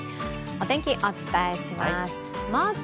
お天気、お伝えします。